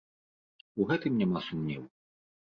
У гэтым няма сумневу.